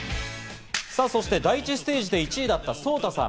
さぁ、そして第１ステージで１位だったソウタさん。